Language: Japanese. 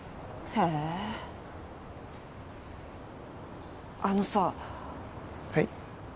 へえあのさはい？